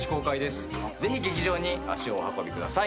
ぜひ劇場に足をお運びください。